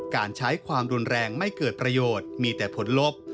การใช้ความรุนแรงไม่เกิดประโยชน์มีแต่ผลลบ